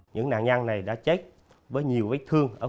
nhưng sau đó đi đâu làm gì thì không để ý